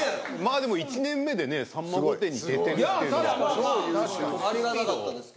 でも１年目でねさんま御殿！！に出てる超優秀っすよ。